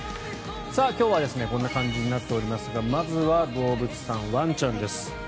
今日はこんな感じになっておりますがまずは動物さん